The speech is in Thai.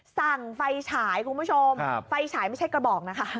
สั่งไฟฉายคุณผู้ชมไฟฉายไม่ใช่กระบอกนะคะ